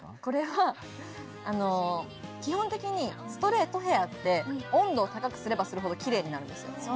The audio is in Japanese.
これは基本的にストレートヘアって温度を高くすればするほどキレイになるんですよ。